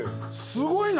すごいな！